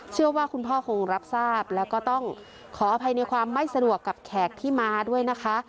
เชื่อว่าคุณพ่อคงรับทราบแล้วก็ต้องขออภัยในความไม่สะดวกกับแขกที่มาด้วยนะคะ